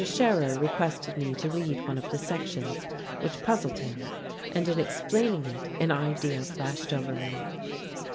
Scherer requested me to read one of the sections, which puzzled him. And in explaining it an idea flashed over me.